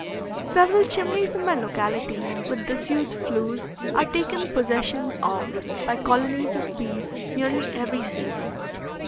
Several chimneys in my locality with disused flues are taken possession of by colonies of bees nearly every season.